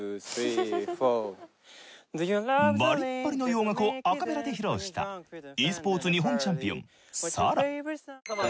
バリッバリの洋楽をアカペラで披露したｅスポーツ日本チャンピオンＳａＲａ。